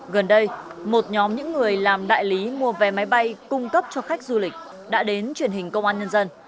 gần đây một nhóm những người làm đại lý mua vé máy bay cung cấp cho khách du lịch đã đến truyền hình công an nhân dân